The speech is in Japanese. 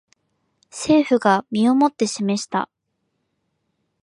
政府が身をもって示した